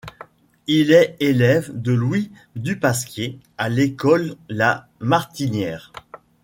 Il est élève de Louis Dupasquier à l’école la Martinière.